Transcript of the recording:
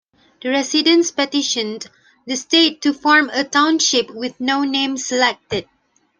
The residents petitioned the state to form a township with no name selected.